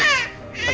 pakai celana dulu